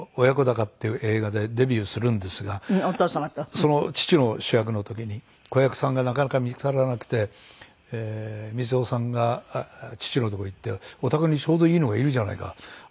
その父の主役の時に子役さんがなかなか見付からなくて光雄さんが父のとこ行って「お宅にちょうどいいのがいるじゃないか」。